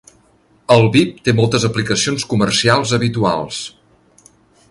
El BiB té moltes aplicacions comercials habituals.